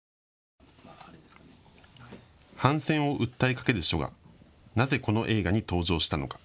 反戦を訴えかける書がなぜ、この映画に登場したのか。